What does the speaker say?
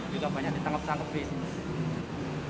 juga banyak ditanggap tanggap bis